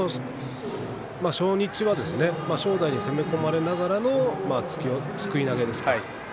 初日は正代に攻め込まれながらのすくい投げでしたね。